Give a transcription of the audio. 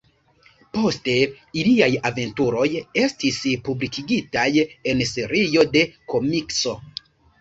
Poste iliaj aventuroj estis publikigitaj en serio de komikso.